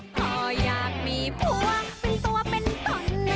พ่ออยากมีพวกเป็นตัวเป็นตน